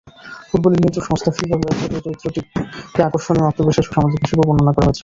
ফুটবলের নিয়ন্ত্রক সংস্থা ফিফার ওয়েবসাইটে এই চরিত্রটিকে আকর্ষণীয়, আত্মবিশ্বাসী ও সামাজিক হিসেবে বর্ণনা করা হয়েছে।